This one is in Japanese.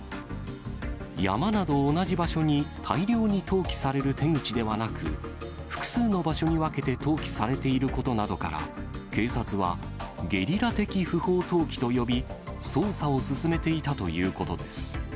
山など同じ場所に大量に投棄される手口ではなく、複数の場所に分けて投棄されていることなどから、警察は、ゲリラ的不法投棄と呼び、捜査を進めていたということです。